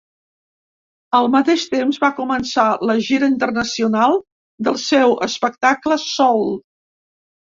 Al mateix temps va començar la gira internacional del seu espectacle Soul.